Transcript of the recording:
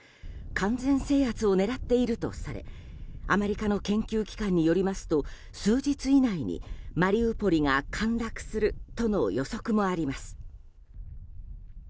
完全制圧を狙っているとされアメリカの研究機関によりますと数日以内にマリウポリが陥落するとの予測もあります。